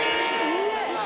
うわ！